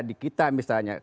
di kita misalnya